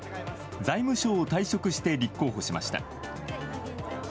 財務省を退職して立候補しました。